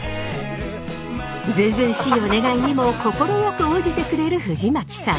ずうずうしいお願いにも快く応じてくれる藤巻さん。